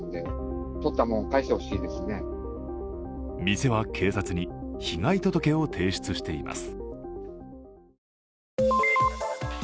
店は警察に被害届を提出しています。